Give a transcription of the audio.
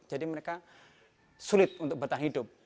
jadi mereka sulit untuk bertahan hidup